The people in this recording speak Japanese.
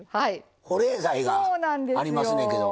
保冷剤がありますねんけど。